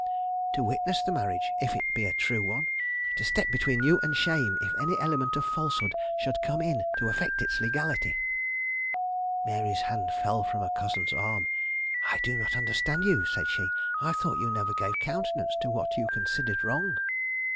"To witness the marriage, if it be a true one; to step between you and shame if any element of falsehood should come in to affect its legality." Mary's hand fell from her cousin's arm. "I do not understand you," said she. "I thought you never gave countenance to what you considered wrong."